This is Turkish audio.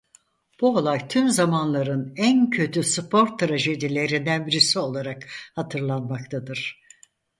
Bu olay tüm zamanların en kötü spor trajedilerinden birisi olarak hatırlanmaktadır.